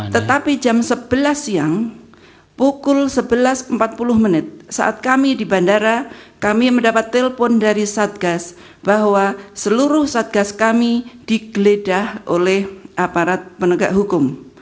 tetapi jam sebelas siang pukul sebelas empat puluh menit saat kami di bandara kami mendapat telpon dari satgas bahwa seluruh satgas kami digeledah oleh aparat penegak hukum